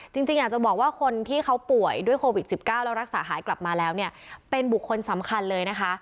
จริงอยากจะบอกว่าคนที่เขาป่วยด้วยโควิด๑๙แล้วรักษาหายกลับมาแล้วเนี่ยเป็นบุคคลสำคัญเลยนะคะ